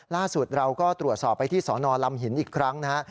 ล่าสุดเราก็ตรวจสอบไปที่สนลำหินอีกครั้งนะฮะ